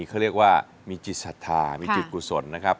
เขาเรียกว่ามีจิตศรัทธามีจิตกุศลนะครับ